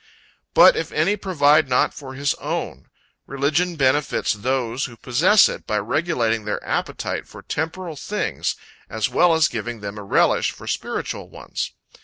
"But if any provide not for his own." Religion benefits those who possess it, by regulating their appetite for temporal things, as well as giving them a relish for spiritual ones.